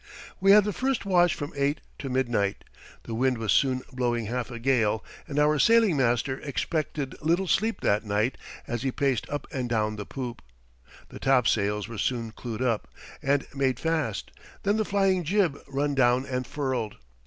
We had the first watch from eight to midnight. The wind was soon blowing half a gale, and our sailing master expected little sleep that night as he paced up and down the poop. The topsails were soon clewed up and made fast, then the flying jib run down and furled.